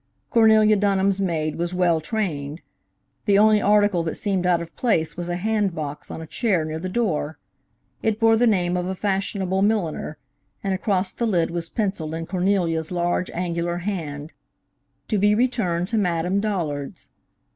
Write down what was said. Cornelia Dunham's maid was well trained. The only article that seemed out of place was a hand box on a chair near the door. It bore the name of a fashionable milliner, and across the lid was pencilled in Cornelia's large, angular hand, "To be returned to Madame Dollard's."